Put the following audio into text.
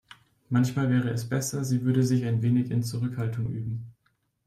Manchmal wäre es besser, sie würde sich ein wenig in Zurückhaltung üben.